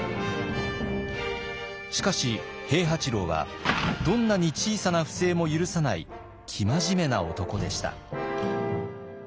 しかし平八郎はどんなに小さな不正も許さない生真面目な男でした。